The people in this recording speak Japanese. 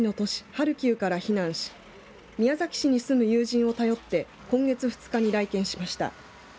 ハルキウから避難し宮崎市に住む友人を頼って今月２日に来県しました。